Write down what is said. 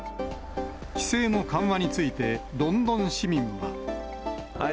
規制の緩和について、ロンドン市民は。